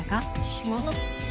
干物？